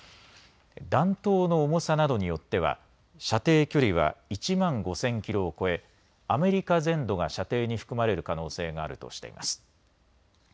弾頭の重さなどによっては射程距離は１万５０００キロを超え、アメリカ全土が射程に含まれる可能性があるとしています。